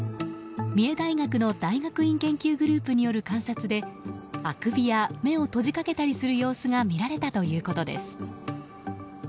三重大学の大学院研究グループによる観察であくびや目を閉じかけたりする様子が見られたということです。